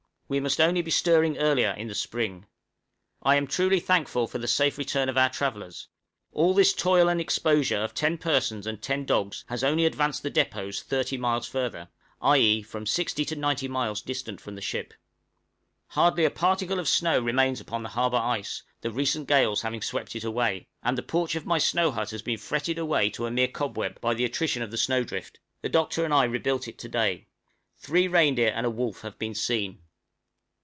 We must only be stirring earlier in the spring. I am truly thankful for the safe return of our travellers, all this toil and exposure of ten persons and ten dogs has only advanced the depôts 30 miles further i.e., from 60 to 90 miles distant from the ship. {EFFECT OF GALES.} Hardly a particle of snow remains upon the harbor ice, the recent gales having swept it away; and the porch of my snow hut has been fretted away to a mere cobweb by the attrition of the snow drift: the doctor and I rebuilt it to day. Three reindeer and a wolf have been seen.